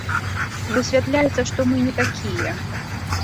Высвятляецца, што мы не такія.